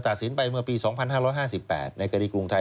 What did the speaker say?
สารตัดสินไปเมื่อปี๒๕๕๘ในการกรุงไทย